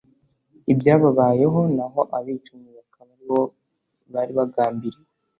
ibyababayeho naho abicanyi bakaba ari bo bari bagambiriwe